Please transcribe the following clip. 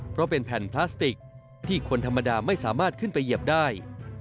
เพราะเป็นแผ่นพลาสติกที่คนธรรมดาไม่สามารถขึ้นไปเหยียบได้